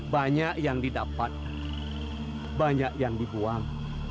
banyak yang didapat banyak yang dibuang